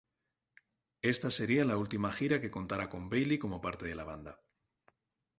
Esta sería la última gira que contara con Bayley como parte de la banda.